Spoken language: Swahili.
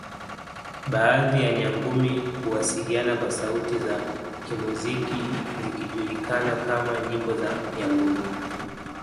Baadhi ya Nyangumi huwasiliana kwa sauti za kimuziki zikijulikana kama nyimbo za Nyangumi